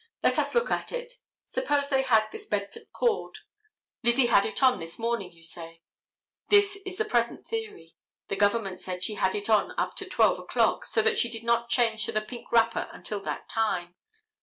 Let us look at it. Suppose they had this bedford cord. Lizzie had it on this morning, you say. This is the present theory. The government said she had it on up to 12 o'clock, so that she did not change to the pink wrapper until that time.